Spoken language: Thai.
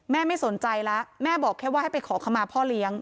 ไม่สนใจแล้วแม่บอกแค่ว่าให้ไปขอขมาพ่อเลี้ยง